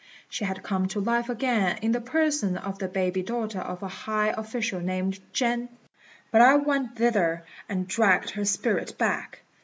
She had come to life again in the person of the baby daughter of a high official named Jen; but I went thither and dragged her spirit back.